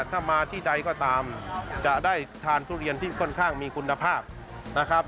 ถ้ามาที่ใดก็ตามจะได้ทานทุเรียนที่ค่อนข้างมีคุณภาพนะครับ